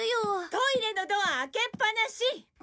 トイレのドア開けっぱなし！